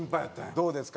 どうですか？